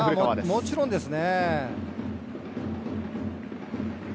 もちろんですね。